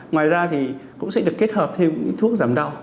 ngoài ra thì cũng sẽ được kết hợp thêm những thuốc giảm đau